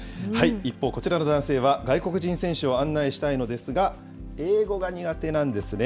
一方、こちらの男性は、外国人選手を案内したいのですが、英語が苦手なんですね。